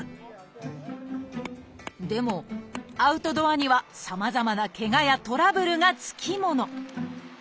でもアウトドアにはさまざまなケガやトラブルが付き物。